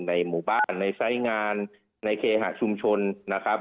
ในหมู่บ้านในไซส์งานในเคหะชุมชนนะครับ